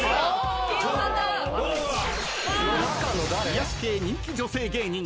［癒やし系人気女性芸人］